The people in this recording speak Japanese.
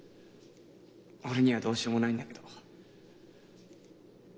俺にはどうしようもないんだけど。